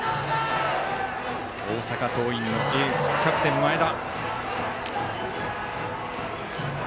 大阪桐蔭のエース、キャプテン、前田。